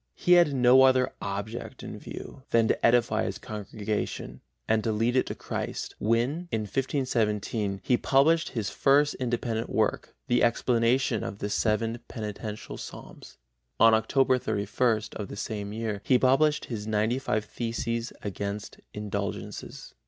He had no other object in view than to edify his congregation and to lead it to Christ when, in 1517, he published his first independent work, the Explanation of the Seven Penitential Psalms. On Oct 31 of the same year he published his 95 Theses against Indulgences.